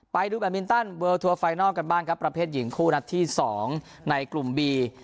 ไปดูแบบมินตันเวิลทัวร์ไฟนอลกันบ้างครับประเภทหญิงคู่นัดที่๒ในกลุ่มบี